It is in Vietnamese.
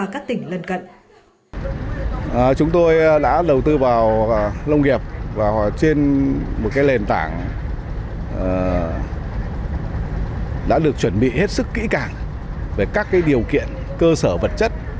chúng tôi đã đầu tư vào nông nghiệp và trên một lền tảng đã được chuẩn bị hết sức kỹ càng về các điều kiện cơ sở vật chất